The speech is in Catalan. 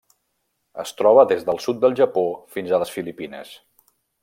Es troba des del sud del Japó fins a les Filipines.